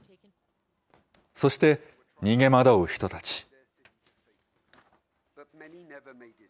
そして、逃げ惑う人たち。